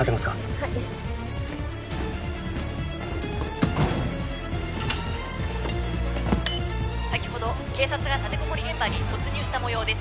はい警察が立てこもり現場に突入したもようです